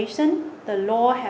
chúng có thể không biết